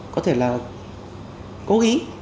có thể là cố ý